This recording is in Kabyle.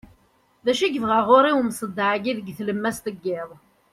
acu yebɣa ɣur-i umseḍḍeɛ-agi deg tlemmast n yiḍ